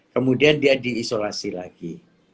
kemudian dia diisolasi lagi